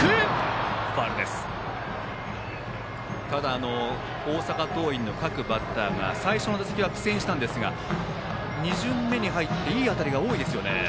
ただ大阪桐蔭の各バッターが最初の打席は苦戦したんですが２巡目に入っていい当たりが多いですよね。